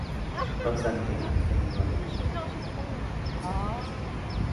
No obstante, esta norma de etiquetado no se aplica siempre.